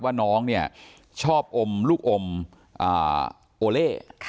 ว่าน้องเนี่ยชอบอมลูกอมโอเล่